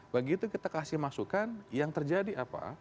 begitu kita kasih masukan yang terjadi apa